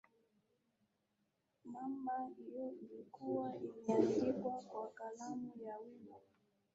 namba hiyo ilikuwa imeandikwa kwa kalamu ya wino